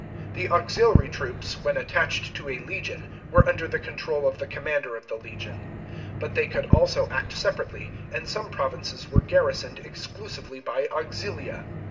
The auxiliary troops, when attached to a legion, were under the control of the commander of the legion. But they could also act separately, and some provinces were garrisoned exclusively by auxilia.